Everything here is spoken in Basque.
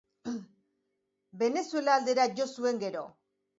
Venezuela aldera jo zuen gero.